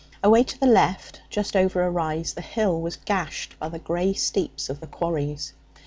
Away to the left, just over a rise, the hill was gashed by the grey steeps of the quarries.